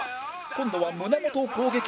今度は胸元を攻撃